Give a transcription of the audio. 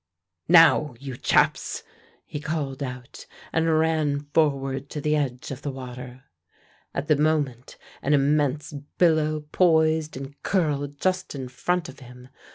"Now, you chaps!" he called out, and ran forward to the edge of the water. At the moment an immense billow poised and curled just in front of him.